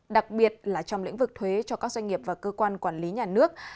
đặc biệt là trong lĩnh vực thuế cho các doanh nghiệp và cơ quan quản lý nhà nước